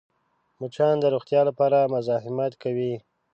مچان د روغتیا لپاره مزاحمت کوي